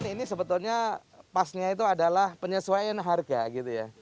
ini sebetulnya pasnya itu adalah penyesuaian harga gitu ya